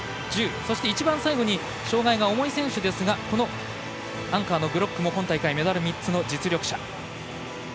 そして一番最後に障がいが重い選手ですがアンカーのグロックも今大会メダル３つの実力者。